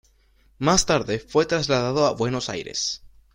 Más tarde fue trasladado a Buenos Aires.